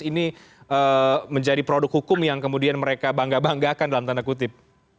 ini menjadi produk hukum yang kemudian mereka bangga banggakan dalam tanda kutip